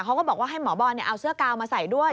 เขาก็บอกว่าให้หมอบอลเอาเสื้อกาวมาใส่ด้วย